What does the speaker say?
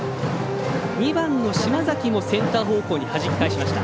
２番の島崎もセンター方向にはじき返しました。